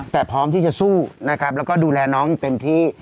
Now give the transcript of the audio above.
แต่พร้อมที่จะสู้แล้วก็ดูแลน้องเต็มที่